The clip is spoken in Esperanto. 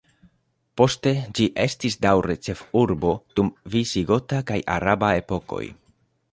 Poste ĝi estis daŭre ĉefurbo dum visigota kaj araba epokoj.